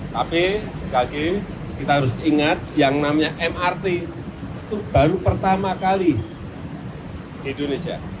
tapi sekali lagi kita harus ingat yang namanya mrt itu baru pertama kali di indonesia